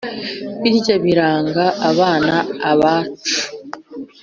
birya biranga abana abacu